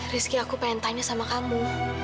rizky aku pengen tanya sama kamu